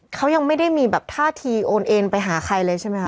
เขายังไม่ได้มีแบบท่าทีโอนเอ็นไปหาใครเลยใช่ไหมค